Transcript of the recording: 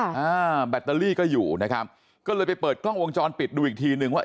อ่าแบตเตอรี่ก็อยู่นะครับก็เลยไปเปิดกล้องวงจรปิดดูอีกทีนึงว่า